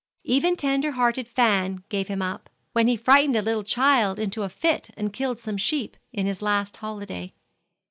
Even tender hearted Fan gave him up, when he frightened a little child into a fit and killed some sheep, in his last holiday.